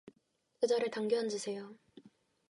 의자를 당겨 앉으세요.